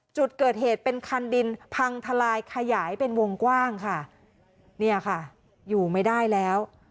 จุดเกิดเหตุเป็นคันดินพังทลายขยายเป็นวงกว้างค่ะเนี่ยค่ะอยู่ไม่ได้แล้ว